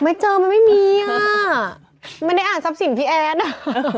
ไม่เจอมันไม่มีอ่ะไม่ได้อ่านทรัพย์สินพี่แอดอ่ะ